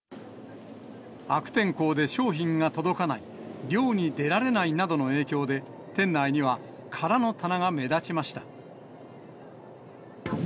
悪天候で商品が届かない、漁に出られないなどの影響で、店内には空の棚が目立ちました。